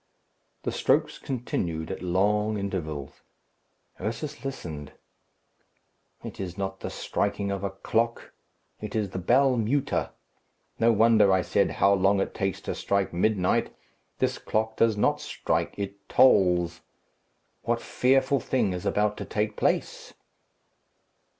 The strokes continued at long intervals. Ursus listened. "It is not the striking of a clock; it is the bell Muta. No wonder I said, 'How long it takes to strike midnight!' This clock does not strike; it tolls. What fearful thing is about to take place?"